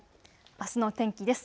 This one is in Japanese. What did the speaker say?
あすの天気です。